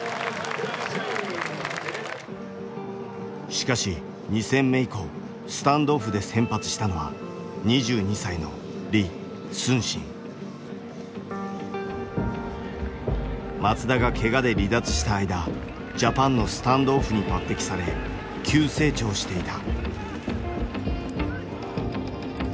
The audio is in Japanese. しかし２戦目以降スタンドオフで先発したのは松田がけがで離脱した間ジャパンのスタンドオフに抜てきされ急成長していた。